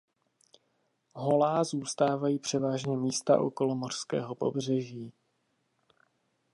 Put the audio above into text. Holá zůstávají převážně místa okolo mořského pobřeží.